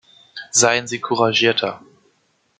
Seien Sie couragierter!